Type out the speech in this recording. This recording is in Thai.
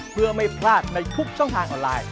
เพื่อไม่พลาดในทุกช่องทางออนไลน์